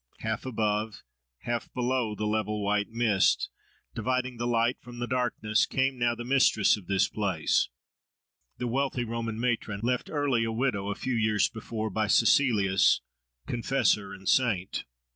Half above, half below the level white mist, dividing the light from the darkness, came now the mistress of this place, the wealthy Roman matron, left early a widow a few years before, by Cecilius "Confessor and Saint."